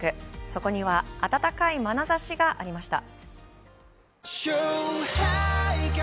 そこには暖かいまなざしがありました。